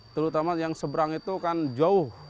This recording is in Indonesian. terutama yang seberang itu kan jauh